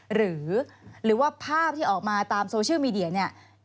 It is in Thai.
หรือว่าภาพที่ออกมาตามโซเชียลมีเดียเนี่ย